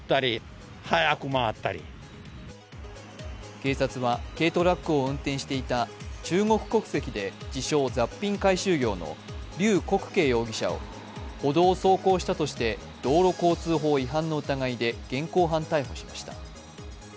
警察は軽トラックを運転していた中国国籍で自称・雑品回収業のリュウ国慶容疑者を歩道を走行したとして道路交通法違反の疑いで現行犯逮捕しました。